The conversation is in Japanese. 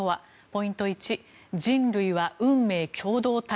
ポイント１、人類は運命共同体